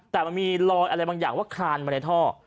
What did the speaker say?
แต่มันมีรอยอะไรบางอย่างว่าคลานมาในท่อ